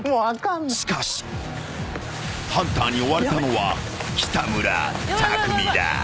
［しかしハンターに追われたのは北村匠海だ］